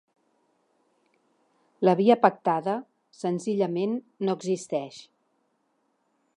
La via pactada, senzillament, no existeix.